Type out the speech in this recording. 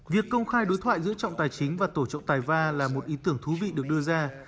việc công khai đối thoại giữa trọng tài chính và tổ trọng tài va là một ý tưởng thú vị được đưa ra